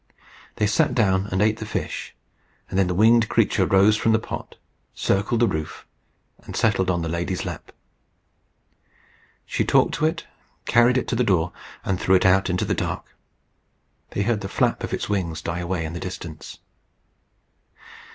They sat down and ate the fish, and then the winged creature rose from the pot, circled the roof, and settled on the lady's lap. She talked to it, carried it to the door, and threw it out into the dark. They heard the flap of its wings die away in the distance.